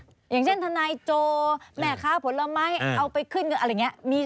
อย่างเช่นทนายโจแม่ค้าผลไม้เอาไปขึ้นเงินอะไรอย่างนี้